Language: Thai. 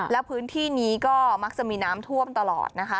แล้วพื้นที่นี้ก็มักจะมีน้ำท่วมตลอดนะคะ